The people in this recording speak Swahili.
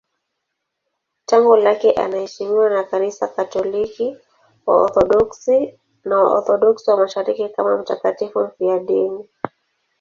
Tangu kale anaheshimiwa na Kanisa Katoliki, Waorthodoksi na Waorthodoksi wa Mashariki kama mtakatifu mfiadini.